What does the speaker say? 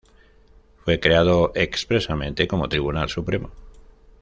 Fue creado expresamente como Tribunal Supremo.